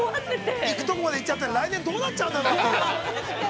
◆行くとこまで行っちゃって来年どうなっちゃうんだろうっていう。